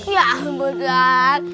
ya ampun sob